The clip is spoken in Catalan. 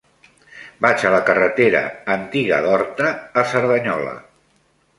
Vaig a la carretera Antiga d'Horta a Cerdanyola.